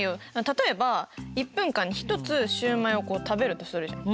例えば１分間に１つシュウマイをこう食べるとするじゃん。